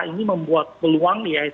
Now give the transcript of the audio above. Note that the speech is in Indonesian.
ini membuat peluang ya